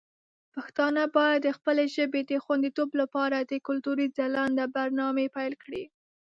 پښتانه باید د خپلې ژبې د خوندیتوب لپاره د کلتوري ځلانده برنامې پیل کړي.